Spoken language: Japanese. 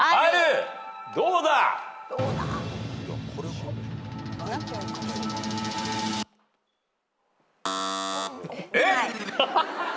どうだ？えっ？えっ！？